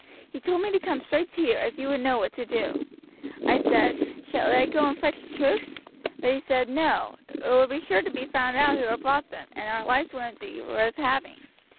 He told me to come straight to you, as you would know what to do. I said, 'Should I go and fetch the troops?' but he said No it would be sure to be found out who had brought them, and our lives wouldn't be worth having.